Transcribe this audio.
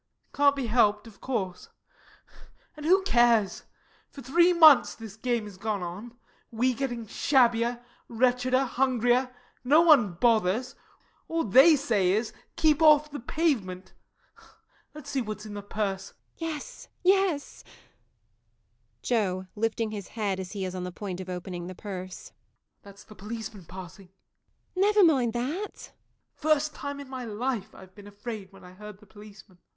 Can't be helped, of course. And who cares? For three months this game has gone on we getting shabbier, wretcheder, hungrier no one bothers all they say is "keep off the pavement." Let's see what's in the purse. MARY. [Eagerly.] Yes, yes! JOE. [Lifting his head as he is on the point of opening the purse.] That's the policeman passing. MARY. [Impatiently.] Never mind that JOE. [Turning to the purse again.] First time in my life I've been afraid when I heard the policeman.